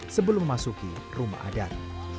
sebelum memasuki rumah adat